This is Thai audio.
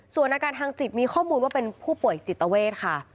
ส่วนอาการทางจิตมีข้อมูลว่าเป็นผู้ป่วยจิตเวทค่ะ